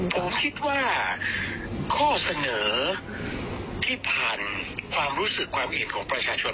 ผมคิดว่าข้อเสนอที่ผ่านความรู้สึกความเห็นของประชาชน